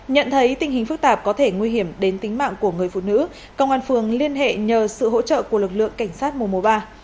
nhận thấy tình hình phức tạp có thể nguy hiểm đến tính mạng của người phụ nữ công an phường liên hệ nhờ sự hỗ trợ của lực lượng cảnh sát mùa mùa ba